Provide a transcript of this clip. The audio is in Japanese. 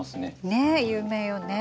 ねえ有名よね。